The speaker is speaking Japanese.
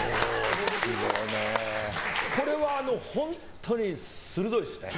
これは本当に鋭いですね。